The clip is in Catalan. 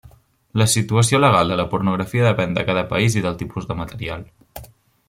La situació legal de la pornografia depèn de cada país i del tipus de material.